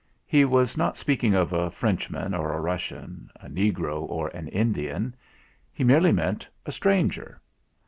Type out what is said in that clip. He was not speaking of a Frenchman or a Russian, a negro or an Indian. He merely meant a stranger.